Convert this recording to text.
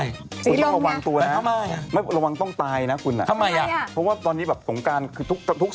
ยอดวันแรกวันนี้ผู้เสียชีวิตทะลุ